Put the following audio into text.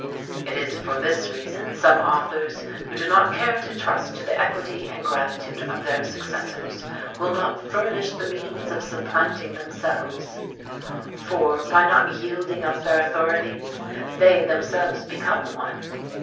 It is for this reason some authors, who do not care to trust to the equity and gratitude of their successors, will not furnish the means of supplanting themselves; for, by not yielding up their authorities, they themselves become one.